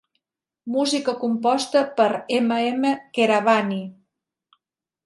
Música composta per M. M. Keeravani.